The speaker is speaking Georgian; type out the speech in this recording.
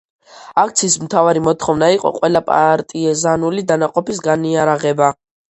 აქციის მთავარი მოთხოვნა იყო ყველა პარტიზანული დანაყოფის განიარაღება.